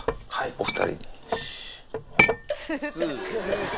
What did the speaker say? お２人に。